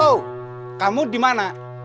halo kamu di mana